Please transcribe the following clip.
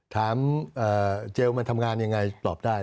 เจลมันทำงานยังไงตอบได้